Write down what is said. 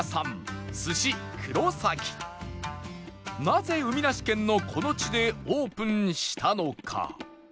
なぜ海なし県のこの地でオープンしたのか？